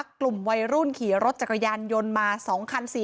เหตุการณ์เกิดขึ้นแถวคลองแปดลำลูกกา